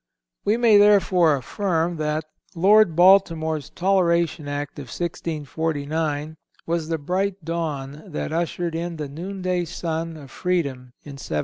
We may therefore affirm that Lord Baltimore's Toleration Act of 1649 was the bright dawn that ushered in the noon day sun of freedom in 1787.